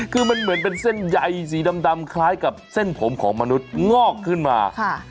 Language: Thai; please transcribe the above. คือมันเหมือนเป็นเส้นใยสีดำคล้ายกับเส้นผมของมนุษย์งอกขึ้นมา